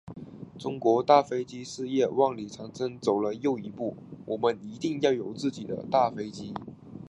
中国大飞机事业万里长征走了又一步，我们一定要有自己的大飞机。